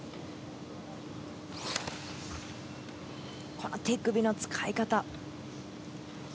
この手首の使い方。